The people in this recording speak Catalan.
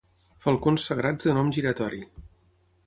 Falcons sagrats de nom giratori.